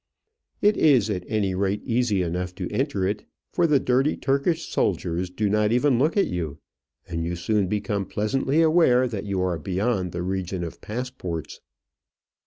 It is at any rate easy enough to enter it, for the dirty Turkish soldiers do not even look at you, and you soon become pleasantly aware that you are beyond the region of passports.